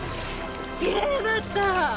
きれいだった。